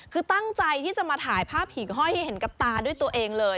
คือตั้งใจที่จะมาถ่ายภาพหิ่งห้อยให้เห็นกับตาด้วยตัวเองเลย